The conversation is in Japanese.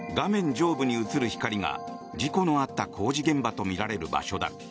上部に映る光が事故のあった工事現場とみられる場所だ。